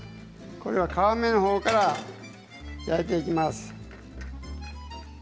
これを皮目のほうから焼いていきます。